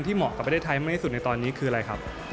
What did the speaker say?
เหมาะกับประเทศไทยมากที่สุดในตอนนี้คืออะไรครับ